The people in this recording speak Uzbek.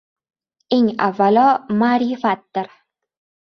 Eng avvalo ma’rifatdir.